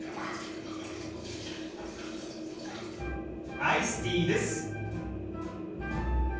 アイスティーです。